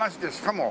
もう。